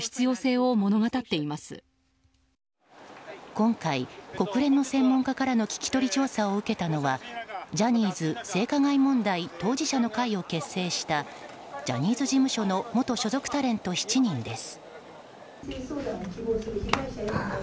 今回、国連の専門家からの聞き取り調査を受けたのはジャニーズ性加害問題当事者の会を結成したジャニーズ事務所の元所属タレント７人です。